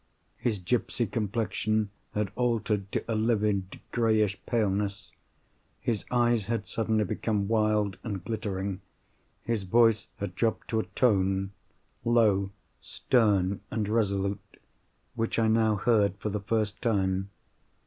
His gipsy complexion had altered to a livid greyish paleness; his eyes had suddenly become wild and glittering; his voice had dropped to a tone—low, stern, and resolute—which I now heard for the first time.